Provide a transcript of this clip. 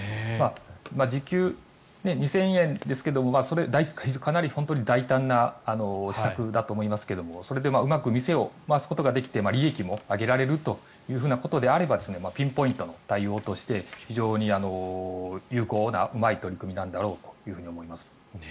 時給２０００円ですがそれ、かなり本当に大胆な施策だと思いますがそれでうまく店を回すことができて利益も上げられるということであればピンポイントの対応として非常に有効なうまい取り組みなんだろうと思います。